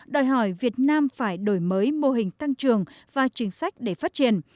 đòi hỏi việt nam phải đổi mới mô hình tăng trường và chính sách để phát triển